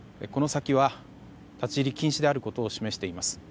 この先は立ち入り禁止であることを示しています。